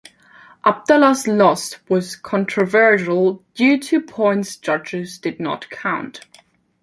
Abdallah's loss was controversial due to points judges did not count.